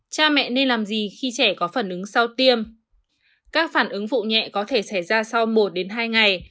cha mẹ nên làm gì khi trẻ có phản ứng sau tiêm các phản ứng vụ nhẹ có thể xảy ra sau một hai ngày